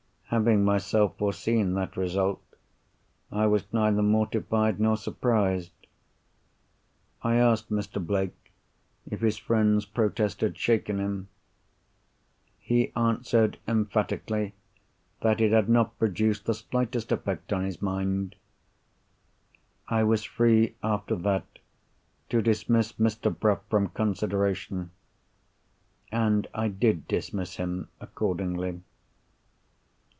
Having myself foreseen that result, I was neither mortified nor surprised. I asked Mr. Blake if his friend's protest had shaken him. He answered emphatically, that it had not produced the slightest effect on his mind. I was free after that to dismiss Mr. Bruff from consideration—and I did dismiss him accordingly.